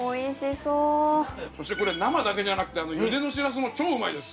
そして生だけじゃなくて茹でのしらすも超うまいです。